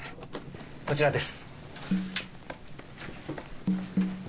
こちらです。